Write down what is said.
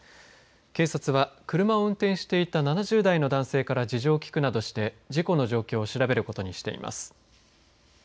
警察は車を運転していた７０代の男性から事情を聞くなどして事故の状況を調べることにしています。